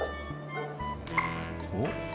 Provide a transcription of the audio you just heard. おっ？